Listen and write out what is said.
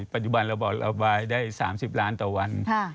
ปัจจุบันเราบอกระบายได้๓๐ล้านต่อวัน